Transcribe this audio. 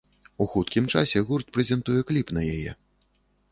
У хуткім часе гурт прэзентуе кліп на яе.